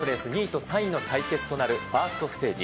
ペナントレース２位と３位の対決となるファーストステージ。